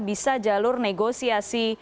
bisa jalur negosiasi